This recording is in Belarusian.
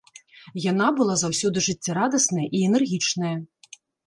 Яна была заўсёды жыццярадасная і энергічная.